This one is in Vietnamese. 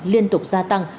liên tục gia tăng